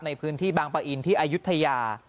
ในพื้นที่บางปะอินที่อายุทยา